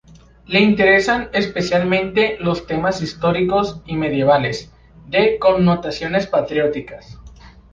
Le interesan especialmente los temas históricos y medievales, de connotaciones patrióticas.